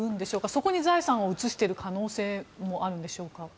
そこに財産を移している可能性もあるんでしょうか。